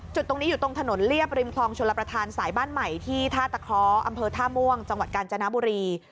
จุดตรงนี้อยู่ตรงถนนเรียบริมคลองชลประธานสายบ้านใหม่ที่ท่าตะเคราะห์อำเภอท่าม่วงจังหวัดกาญจนบุรี